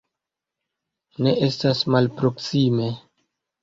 Ne estas malproksime.